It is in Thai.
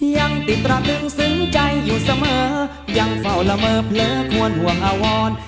ยังติดตระดึงซึ้งใจอยู่เสมอยังเฝ้าละเมอเผลอควรห่วงอาวร